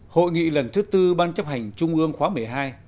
hội nghị lần thứ tư ban chấp hành trung ương khóa một mươi hai